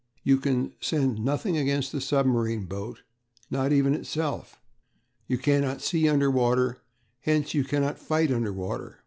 You can send nothing against the submarine boat, not even itself.... You cannot see under water, hence you cannot fight under water.